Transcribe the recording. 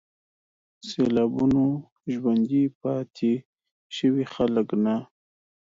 سېلابونو ژوندي پاتې شوي خلک نه